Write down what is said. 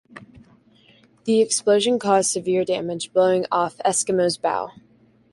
The explosion caused severe damage, blowing off "Eskimo"'s bow.